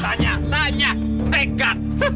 tanya tanya tekad